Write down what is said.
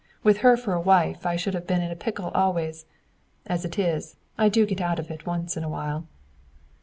With her for a wife, I should have been in a pickle always; as it is, I do get out of it once in a while."